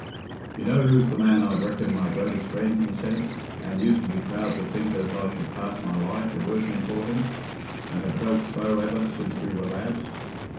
"You know who's the man I've reckoned my greatest friend," he said, "and used to be proud to think as I should pass my life i' working for him, and had felt so ever since we were lads...."